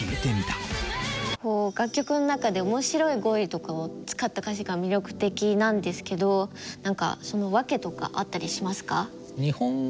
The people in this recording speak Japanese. こう楽曲の中でおもしろい語彙とかを使った歌詞が魅力的なんですけど何かそのワケとかあったりしますか？